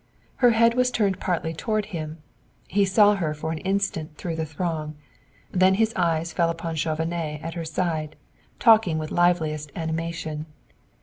Her head was turned partly toward him; he saw her for an instant through the throng; then his eyes fell upon Chauvenet at her side, talking with liveliest animation.